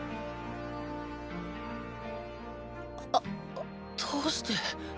あどうして。